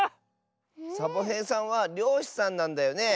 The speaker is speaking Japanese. サボへいさんはりょうしさんなんだよね。